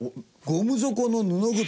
ゴム底の布靴。